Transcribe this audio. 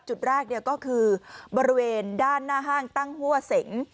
จุดแรกก็คือบริเวณด้านหน้าห้างตั้งหัวเสง